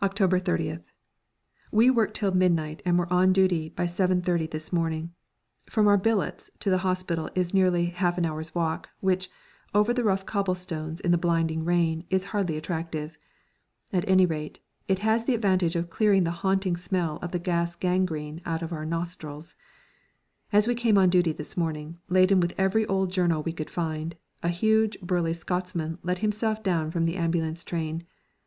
October 30th. We worked till midnight and were on duty again by 7.30 this morning. From our billets to the hospital is nearly half an hour's walk, which, over the rough cobblestones in the blinding rain, is hardly attractive. At any rate, it has the advantage of clearing the haunting smell of the gas gangrene out of our nostrils. As we came on duty this morning, laden with every old journal we could find, a huge, burly Scotsman let himself down from the ambulance train.